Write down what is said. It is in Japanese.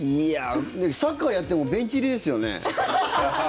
サッカーやってもベンチ入りですよね？